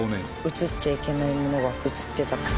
写っちゃいけないものが写ってた。